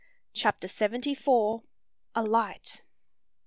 CHAPTER SEVENTY FOUR. A LIGHT!